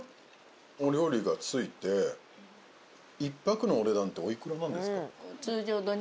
お料理が付いて１泊のお値段っておいくらなんですか？